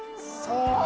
［そう。